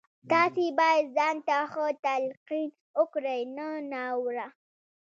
تاسې بايد ځان ته ښه تلقين وکړئ نه ناوړه.